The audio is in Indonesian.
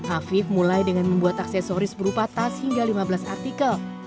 afif mulai dengan membuat aksesoris berupa tas hingga lima belas artikel